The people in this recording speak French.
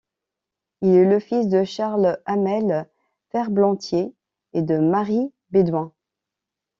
Il est le fils de Charles Hamel, ferblantier, et de Marie Bédouin.